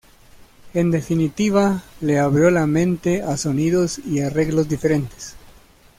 En definitiva le abrió la mente a sonidos y arreglos diferentes.